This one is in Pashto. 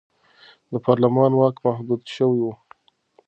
د پارلمان واک محدود شوی و.